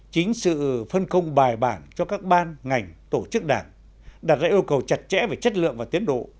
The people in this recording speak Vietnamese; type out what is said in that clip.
chính sự phân công bài bản cho các ban ngành tổ chức đảng đặt ra yêu cầu chặt chẽ về chất lượng và tiến độ